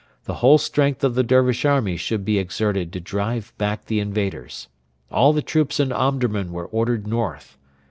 The whole strength of the Dervish army should be exerted to drive back the invaders. All the troops in Omdurman were ordered north.